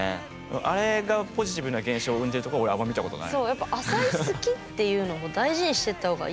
あれがポジティブな現象を生んでいるところを俺、あんま見たことない。